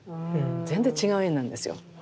全然違う絵になるんですよ。